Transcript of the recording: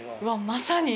まさに。